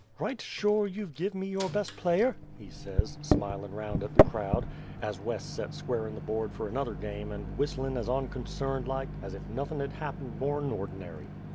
"Right shore you've give' me your best player?" he says, smilin' round at the crowd, as Wes set squarin' the board fer another game and whistlin' as onconcerned like as ef nothin' had happened more'n ordinary.